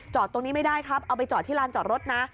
ตรงนี้ไม่ได้ครับเอาไปจอดที่ลานจอดรถนะ